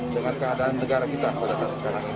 dengan keadaan negara kita pada saat sekarang ini